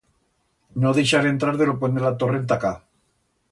No dixar entrar de lo puent de la Torre enta acá.